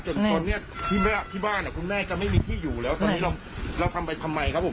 จนตอนนี้ที่บ้านคุณแม่จะไม่มีที่อยู่แล้วตอนนี้เราทำไปทำไมครับผม